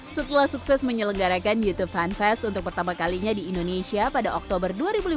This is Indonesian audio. setelah sukses menyelenggarakan youtube fanfest untuk pertama kalinya di indonesia pada oktober dua ribu lima belas